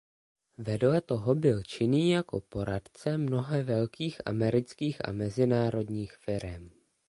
Vedle toho byl činný jako poradce mnoha velkých amerických a mezinárodních firem.